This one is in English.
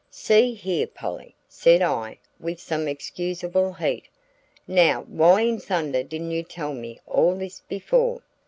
"See here, Polly," said I with some excusable heat, "now why in thunder didn't you tell me all this before?"